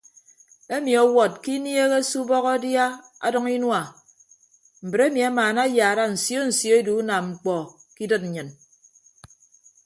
Emi ọwọd ke inieeghe se ubọk adia adʌñ inua mbre emi amaana ayaara nsio nsio edu unam mkpọ ke idịd nnyịn.